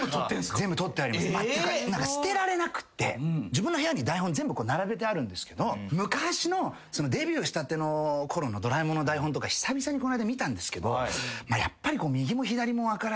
自分の部屋に台本全部並べてあるんですけど昔のデビューしたてのころの『ドラえもん』の台本とか久々にこの間見たんですけど。